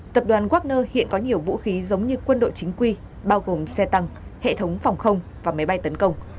tập đoàn wagner hiện có nhiều vũ khí giống như quân đội chính quy bao gồm xe tăng hệ thống phòng không và máy bay tấn công